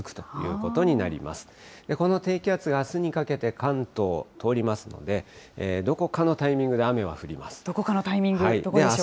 この低気圧があすにかけて関東通りますので、どこかのタイミングで雨は降ります。